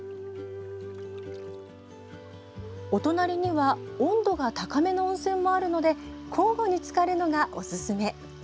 お隣には温度が高めの温泉もあるので交互につかるのがおすすめ。